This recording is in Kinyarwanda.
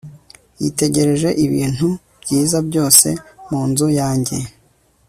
yitegereje ibintu byiza byose mu nzu yanjye